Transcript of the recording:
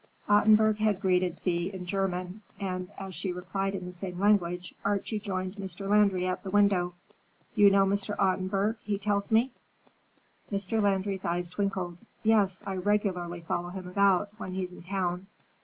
Ottenburg had greeted Thea in German, and as she replied in the same language, Archie joined Mr. Landry at the window. "You know Mr. Ottenburg, he tells me?" Mr. Landry's eyes twinkled. "Yes, I regularly follow him about, when he's in town.